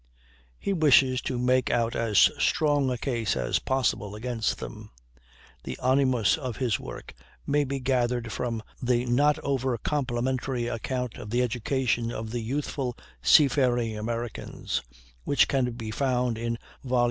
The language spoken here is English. He wishes to make out as strong a case as possible against them. The animus of his work may be gathered from the not over complimentary account of the education of the youthful seafaring American, which can be found in vol.